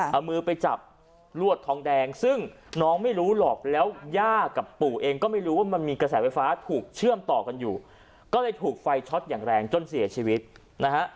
เอามือไปจับลวดทองแดงซึ่งน้องไม่รู้หรอกแล้วย่ากับปู่เองก็ไม่รู้ว่ามันมีกระแสไฟฟ้าถูกเชื่อมต่อกันอยู่ก็เลยถูกไฟช็อตอย่างแรงจนเสียชีวิตนะฮะ